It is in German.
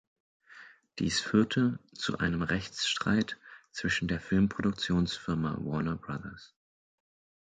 Dies führte zu einem Rechtsstreit zwischen der Filmproduktionsfirma Warner Bros.